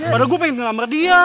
padahal gue pengen ngelamar dia